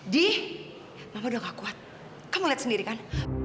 di mama udah gak kuat kamu lihat sendiri kan